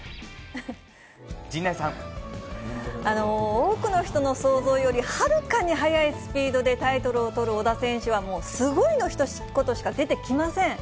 多くの人の想像より、はるかに速いスピードでタイトルをとる小田選手は、もうすごいのひと言しか出てきません。